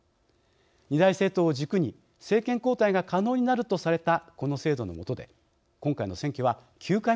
２大政党を軸に政権交代が可能になるとされたこの制度のもとで今回の選挙は９回目になります。